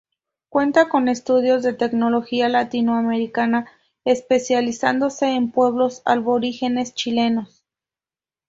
Cuenta con estudios de etnología latinoamericana, especializándose en pueblos aborígenes chilenos.